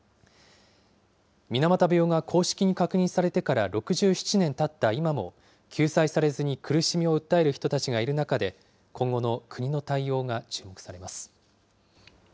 水俣病が公式に確認されてから６７年たった今も、救済されずに苦しみを訴える人たちがいる中で、今後の国の対応が注目されます。